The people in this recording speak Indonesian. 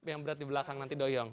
yang berat di belakang nanti doyong